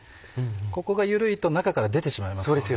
ここが緩いと中から出てしまいます。